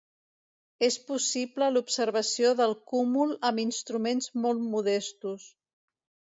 És possible l'observació del cúmul amb instruments molt modestos.